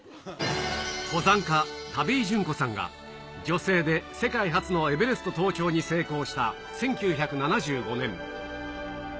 登山家、田部井淳子さんが女性で世界初のエベレスト登頂に成功した１９７５年。